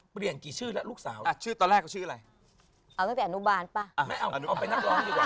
เปลี่ยนกี่ชื่อแล้วลูกสาวอ่ะชื่อตอนแรกก็ชื่ออะไรเอาตั้งแต่อนุบาลป่ะไม่เอาเอาไปนักร้องดีกว่า